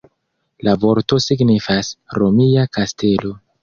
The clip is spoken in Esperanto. La vorto signifas "romia kastelo".